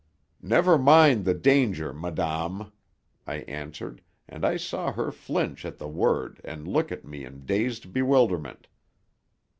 "Never mind the danger, madame," I answered, and I saw her flinch at the word and look at me in dazed bewilderment.